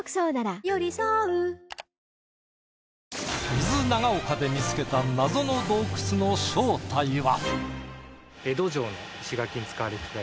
伊豆長岡で見つけた謎の洞窟の正体は！？